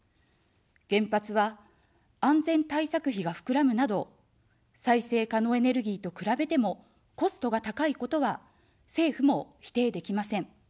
原発は安全対策費がふくらむなど、再生可能エネルギーと比べてもコストが高いことは政府も否定できません。